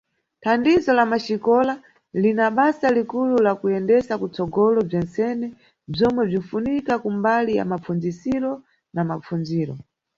Thandizo la Maxikola lina basa likulu la kuyendesa kutsogolo bzentsene bzomwe bzinʼfunika kumbali ya mapfundzisiro na mapfundziro.